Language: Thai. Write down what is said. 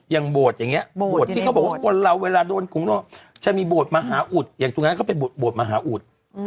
โบสถ์อย่างนี้โบสถที่เขาบอกว่าคนเราเวลาโดนกรุงจะมีโบสถ์มหาอุดอย่างตรงนั้นเขาเป็นโบสถ์มหาอุด